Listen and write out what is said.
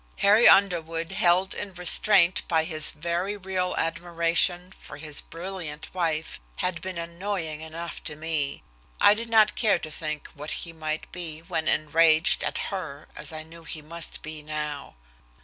Harry Underwood held in restraint by his very real admiration for his brilliant wife had been annoying enough to me. I did not care to think what he might be when enraged at her as I knew he must be now.